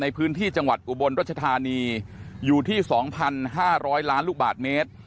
ในพื้นที่จังหวัดอุบลรัชธานีอยู่ที่๒๕๐๐ล้านลูกบาทเมตร